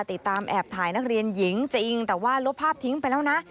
แอบถ่ายนักเรียนหญิงจริงแต่ว่าลบภาพทิ้งไปแล้วนะ